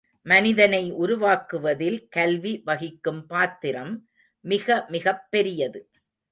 மனிதனை உருவாக்குவதில் கல்வி வகிக்கும் பாத்திரம் மிகமிகப் பெரியது.